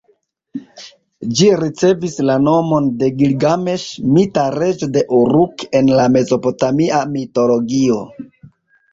Ĝi ricevis la nomon de Gilgameŝ, mita reĝo de Uruk en la mezopotamia mitologio.